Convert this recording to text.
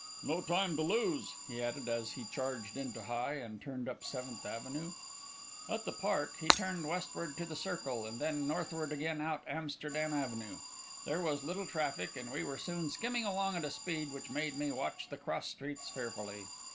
"No time to lose," he added, as he changed into high, and turned up Seventh Avenue. At the park, he turned westward to the Circle, and then northward again out Amsterdam Avenue. There was little traffic, and we were soon skimming along at a speed which made me watch the cross streets fearfully.